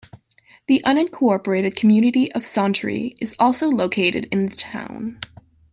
The unincorporated community of Sauntry is also located in the town.